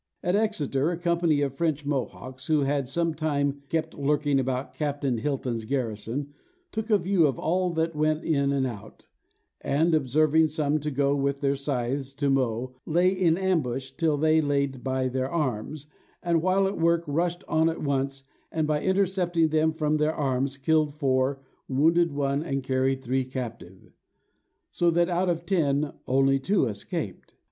"At Exeter, a company of French Mohawks, who some time kept lurking about Captain Hilton's garrison, took a view of all that went in and out; and observing some to go with their scythes to mow, lay in ambush till they laid by their arms, and while at work, rushed on at once, and by intercepting them from their arms, killed four, wounded one, and carried three captive; so that out of ten, two only escaped.